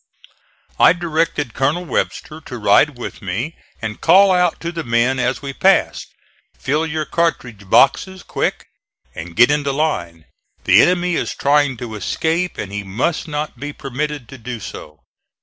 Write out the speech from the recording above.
I directed Colonel Webster to ride with me and call out to the men as we passed: "Fill your cartridge boxes, quick, and get into line; the enemy is trying to escape and he must not be permitted to do so."